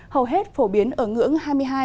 hầu hết phổ biến ở ngưỡng hai mươi hai hai mươi bốn